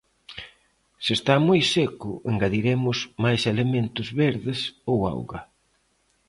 Se está moi seco engadiremos máis elementos verdes ou auga.